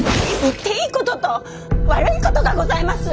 言っていいことと悪いことがございます！